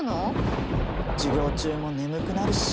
うん授業中も眠くなるし。